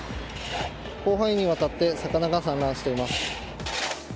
広範囲にわたって魚が散乱しています。